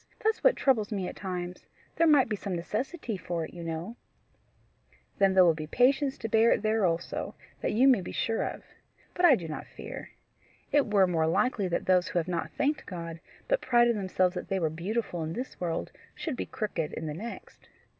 That's what troubles me at times. There might be some necessity for it, you know." "Then will there be patience to bear it there also; that you may be sure of. But I do not fear. It were more likely that those who have not thanked God, but prided themselves that they were beautiful in this world, should be crooked in the next.